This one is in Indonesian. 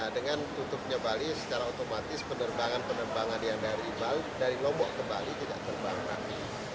dengan tutupnya bali secara otomatis penerbangan penerbangan yang dari lombok ke bali tidak terbang rame